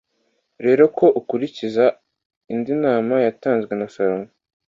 rero ko ukurikiza indi nama yatanzwe na Salomo